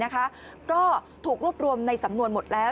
ก็ถูกรวบรวมในสำนวนหมดแล้ว